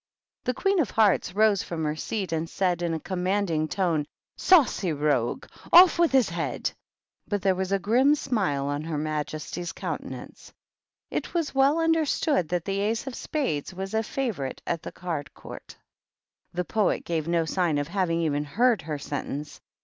The Queen of Hearts rose from her seat, and said, in a commanding tone, " Saucy rogue I Off with his head !" But there was a grim smile on her majesty's countenance ; it was well understood that the Ace of Spades was a favorite at the Card Court. The Poet gave no sign of having even heard her sentence.